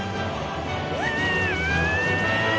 うわ！